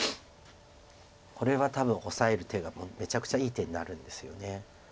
これは多分オサえる手がめちゃくちゃいい手になるんですよね。